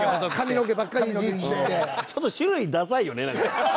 ちょっと種類ダサいよねなんか。